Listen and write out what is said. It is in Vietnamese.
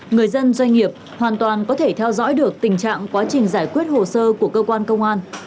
người dân doanh nghiệp hoàn toàn có thể theo dõi được tình trạng quá trình giải quyết hồ sơ của cơ quan công an